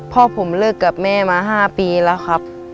พ่อผมเลิกกับแม่มา๕ปีแล้วครับ